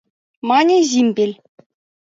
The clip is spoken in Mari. — мане Зимпель.